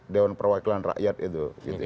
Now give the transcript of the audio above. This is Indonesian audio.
dewan perwakilan rakyat itu